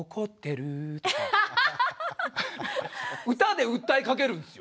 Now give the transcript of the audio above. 歌で訴えかけるんですよ。